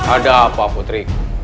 ada apa putri